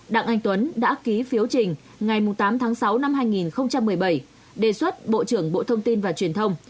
đặng anh tuấn đã ký phiếu trình ngày tám tháng sáu năm hai nghìn một mươi bảy đề xuất bộ trưởng bộ thông tin và truyền thông